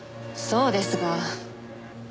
そうですが。